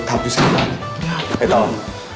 ไอ้ตั่ง